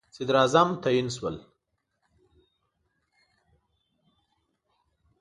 صدراعظم تعیین شول.